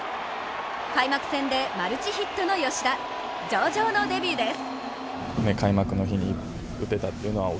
開幕戦でマルチヒットの吉田上々のデビューです。